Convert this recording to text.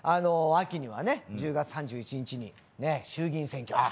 秋にはね１０月３１日に衆議院選挙。